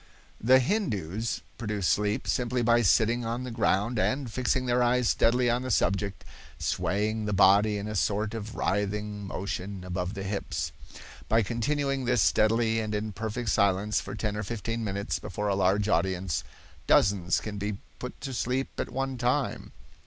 The Hindoos produce sleep simply by sitting on the ground and, fixing their eyes steadily on the subject, swaying the body in a sort of writhing motion above the hips. By continuing this steadily and in perfect silence for ten or fifteen minutes before a large audience, dozens can be put to sleep at one time.